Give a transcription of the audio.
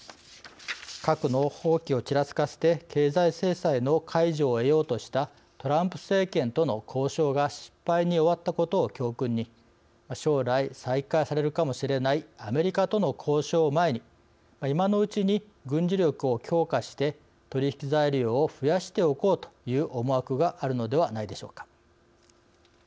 核の放棄をちらつかせて経済制裁の解除を得ようとしたトランプ政権との交渉が失敗に終わったことを教訓に将来再開されるかもしれないアメリカとの交渉を前に今のうちに軍事力を強化して取り引き材料を増やしておこうという思惑があるのではないでしょうか。